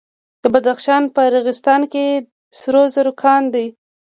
د بدخشان په راغستان کې سرو زرو کان دی.